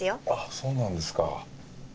そうなんですか。